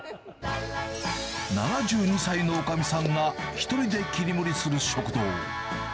７２歳のおかみさんが１人で切り盛りする食堂。